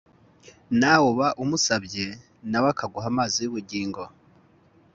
nawe uba umusabye na we akaguha amazi y’ubugingo